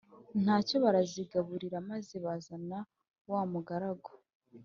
ntacyo barazigaburira maze bazana wa mugaragu